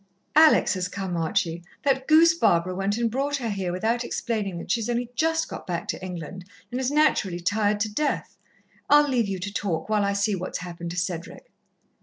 "Alex has come, Archie. That goose Barbara went and brought her here without explaining that she's only just got back to England, and is naturally tired to death. I'll leave you to talk, while I see what's happened to Cedric."